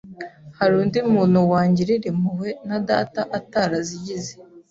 hari undi muntu wangirira impuhwe na Data atarazigize